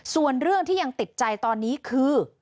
ส่วนเรื่องที่ยังติดใจตอนนี้คือ